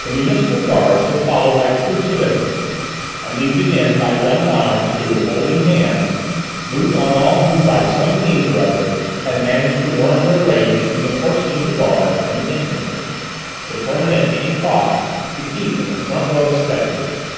The municipal guards were followed by troops of infantry, and these again by gendarmes who, holding hands, moved on all who by some means or other had managed to worm their way between the horses of the guards and the infantry, determined at any cost to keep in the front row of spectators.